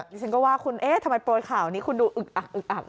ดิฉันก็ว่าคุณเอ๊ะทำไมโปรยข่าวนี้คุณดูอึกอักอึกอัก